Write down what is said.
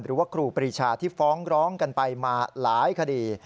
ครูปรีชาที่ฟ้องร้องกันไปมาหลายคดี